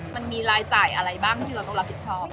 มันมีรายจ่ายอะไรบ้างที่เราต้องรับผิดชอบ